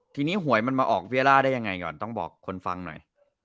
ทีนี้หวยมันมาออกเวียล่าได้ยังไงก่อนต้องบอกคนฟังหน่อย